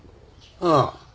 ああ。